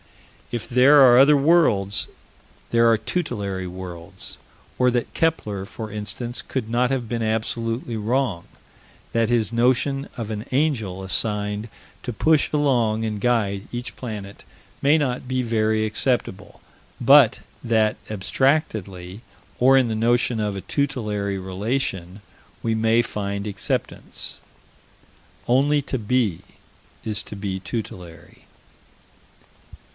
If there are other worlds, there are tutelary worlds or that Kepler, for instance, could not have been absolutely wrong: that his notion of an angel assigned to push along and guide each planet may not be very acceptable, but that, abstractedly, or in the notion of a tutelary relation, we may find acceptance. Only to be is to be tutelary.